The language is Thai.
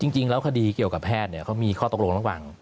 จริงแล้วคดีเกี่ยวกับแพทย์เขามีข้อตกลงระหว่าง